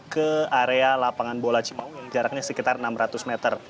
ke area lapangan bola cimaung yang jaraknya sekitar enam ratus meter